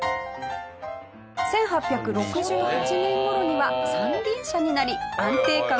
１８６８年頃には三輪車になり安定感がアップ。